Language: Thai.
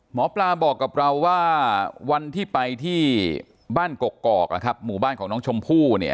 หมอปลาบอกกับเราว่าวันที่ไปที่บ้านกกอกนะครับหมู่บ้านของน้องชมพู่เนี่ย